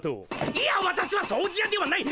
いやわたしは「掃除や」ではない！